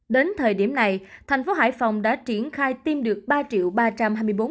đến thời điểm này thành phố hải phòng đã triển khai tiêm được ba ba trăm hai mươi bốn một trăm linh ba mũi